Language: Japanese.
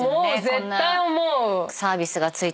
絶対思う。